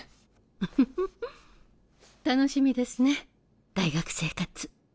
ふふふっ楽しみですね大学生活。